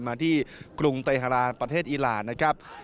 มาที่กรุงเตฮาราประเทศอีรานนะครับ